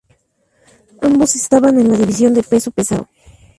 Ambos estaban en la división de peso pesado.